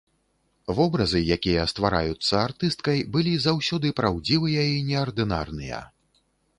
Вобразы, якія ствараюцца артысткай, былі заўсёды праўдзівыя і неардынарныя.